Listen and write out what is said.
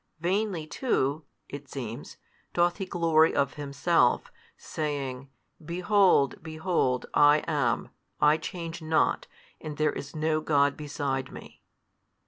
Vainly too (it seems) doth He glory of Himself, saying, Behold, behold, I am, I change not, and there is no God beside Me.